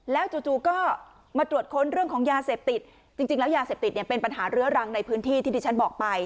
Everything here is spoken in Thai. จู่ก็มาตรวจค้นเรื่องของยาเสพติดจริงแล้วยาเสพติดเนี่ยเป็นปัญหาเรื้อรังในพื้นที่ที่ที่ฉันบอกไป